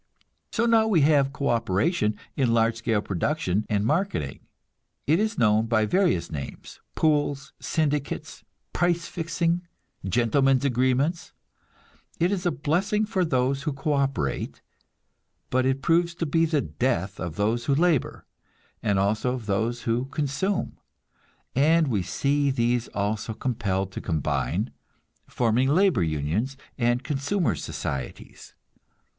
So now we have co operation in large scale production and marketing. It is known by various names, "pools," "syndicates," "price fixing," "gentlemen's agreements." It is a blessing for those who co operate, but it proves to be the death of those who labor, and also of those who consume, and we see these also compelled to combine, forming labor unions and consumers' societies.